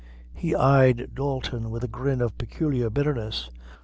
He eyed Dalton with a grin of peculiar bitterness.